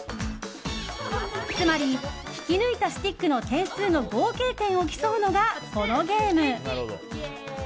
つまり、引き抜いたスティックの点数の合計点を競うのがこのゲーム。